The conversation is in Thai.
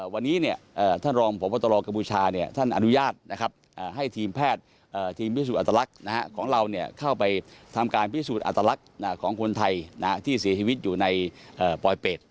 วันนี้ท่านรองพบตรกัมพูชาท่านอนุญาตให้ทีมแพทย์ทีมพิสูจนอัตลักษณ์ของเราเข้าไปทำการพิสูจน์อัตลักษณ์ของคนไทยที่เสียชีวิตอยู่ในปลอยเป็ด